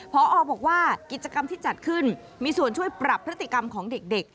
พอบอกว่ากิจกรรมที่จัดขึ้นมีส่วนช่วยปรับพฤติกรรมของเด็ก